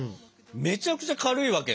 めちゃくちゃ軽いわけよ。